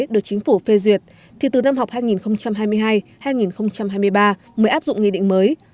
được chính phủ phê duyệt thì từ năm học hai nghìn hai mươi hai hai nghìn hai mươi ba mới áp dụng nghị định mới